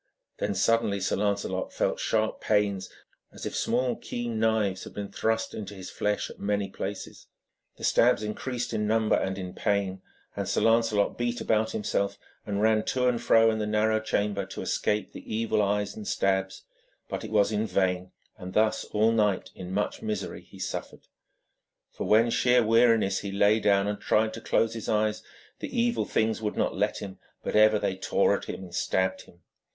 Then suddenly Sir Lancelot felt sharp pains, as if small keen knives had been thrust into his flesh at many places. The stabs increased in number and in pain, and Sir Lancelot beat about himself and ran to and fro in the narrow chamber to escape the evil eyes and the stabs, but it was in vain, and thus all night in much misery he suffered. When for sheer weariness he lay down and tried to close his eyes, the evil things would not let him, but ever they tore at him and stabbed him.